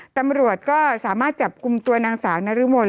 ตำรวจก็สามารถจับกลุ่มตัวนางสาวนรมน